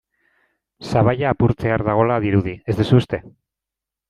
Sabaia apurtzear dagoela dirudi, ez duzu uste?